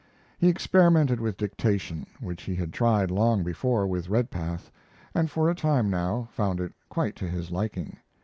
He experimented with dictation, which he had tried long before with Redpath, and for a time now found it quite to his liking.